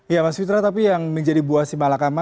ya mas wita tapi yang menjadi buah simalakama